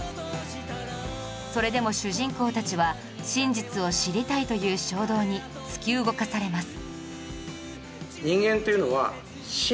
それでも主人公たちは真実を知りたいという衝動に突き動かされます